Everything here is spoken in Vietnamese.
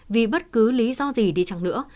vì bất cứ lý do gì đi chăng nữa